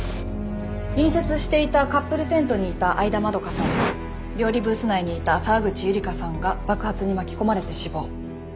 隣接していたカップルテントにいた相田まどかさんと料理ブース内にいた沢口百合香さんが爆発に巻き込まれて死亡。